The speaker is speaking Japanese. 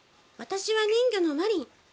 私は人魚のマリン。